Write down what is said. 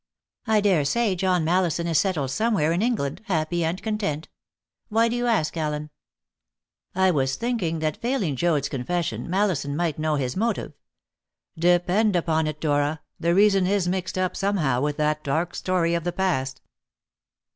I dare say John Mallison is settled somewhere in England, happy and content. Why do you ask, Allen?" "I was thinking that failing Joad's confession Mallison might know his motive. Depend upon it, Dora, the reason is mixed up somehow with that dark story of the past."